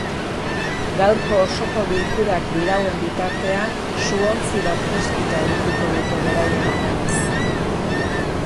Gaurko osoko bilkurak dirauen bitartean su-ontzi bat piztuta edukiko dute beraien omenez.